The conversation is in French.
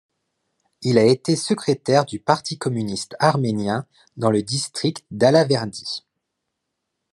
Il a été secrétaire du parti communiste arménien dans le district d'Alaverdi.